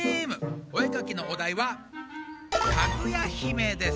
お絵かきのお題は「かぐやひめ」です。